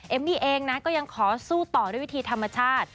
มี่เองนะก็ยังขอสู้ต่อด้วยวิธีธรรมชาติ